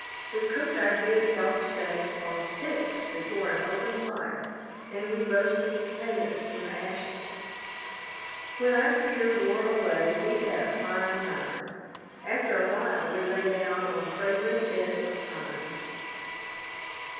We cooked our big elk steaks on sticks before an open fire, and we roasted potatoes in the ashes. When our fear wore away, we had a fine time. After a while we lay down on fragrant beds of pine.